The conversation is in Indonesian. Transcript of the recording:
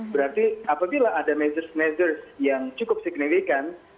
berarti apabila ada measures measures yang cukup signifikan